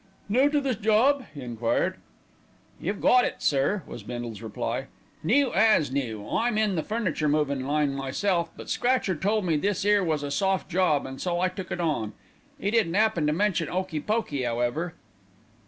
"New to this job?" he enquired. "You've 'it it, sir," was Bindle's reply. "New as new. I'm in the furniture movin' line myself; but Scratcher told me this 'ere was a soft job, an' so I took it on. 'E didn't happen to mention 'Okey Pokey 'owever."